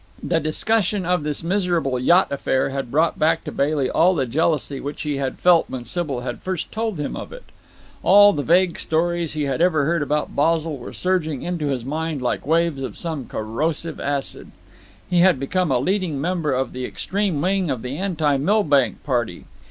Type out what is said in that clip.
The discussion of this miserable yacht affair had brought back to Bailey all the jealousy which he had felt when Sybil had first told him of it. All the vague stories he had ever heard about Basil were surging in his mind like waves of some corrosive acid. He had become a leading member of the extreme wing of the anti Milbank party.